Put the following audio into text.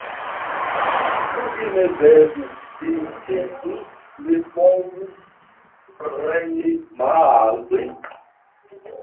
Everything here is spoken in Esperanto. Ĉu vi ne devis diri ke vi ne povus preni malpli?